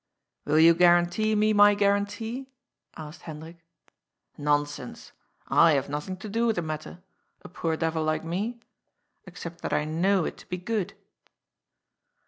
^' Will you guarantee me my guarantee ?" asked Hen drik. ^* Nonsense. I have nothing to do with the matter. A poor devil like me. Except that I know it to be good."